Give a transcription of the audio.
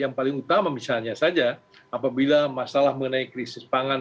yang paling utama misalnya saja apabila masalah mengenai krisis pangan